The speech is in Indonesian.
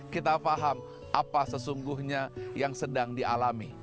kita paham apa sesungguhnya yang sedang dialami